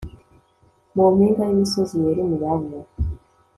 mu mpinga y'imisozi yera imibavu